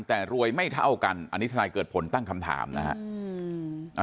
แต่รวยไม่เท่ากันอันนี้ทนายเกิดผลตั้งคำถามนะครับ